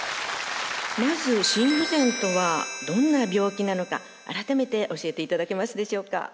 まず心不全とはどんな病気なのか改めて教えていただけますでしょうか？